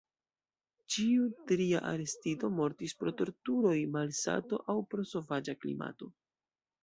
Ĉiu tria arestito mortis pro torturoj, malsato aŭ pro sovaĝa klimato.